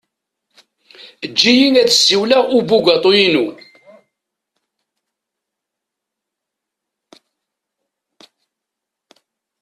Eǧǧ-iyi ad ssiwleɣ i ubugaṭu-inu.